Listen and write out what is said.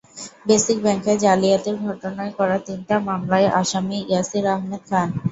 Basic ব্যাংকে জালিয়াতির ঘটনায় করা তিনটি মামলায় আসামি ইয়াসির আহমেদ খান।